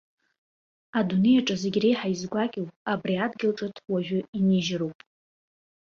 Адунеи аҿы зегь реиҳа изгәакьоу абри адгьыл ҽыҭ уажәы инижьроуп.